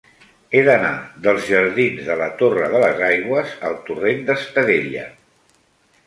He d'anar dels jardins de la Torre de les Aigües al torrent d'Estadella.